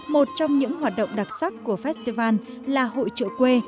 một trong những hoạt động đặc sắc của festival là hội trợ quê